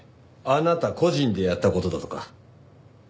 あなた個人でやった事だとか。